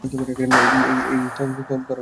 এই, তোরা থেমে যা।